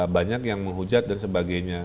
banyak yang menghujat dan sebagainya